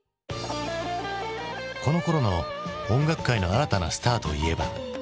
このころの音楽界の新たなスターといえば。